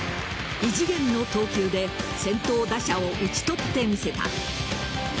異次元の投球で先頭打者を打ち取ってみせた。